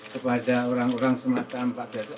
kepada orang orang semata mata ini